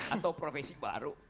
atau profesi baru